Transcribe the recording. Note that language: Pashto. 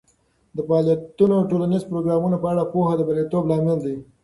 د فعالو ټولنیزو پروګرامونو په اړه پوهه د بریالیتوب لامل دی.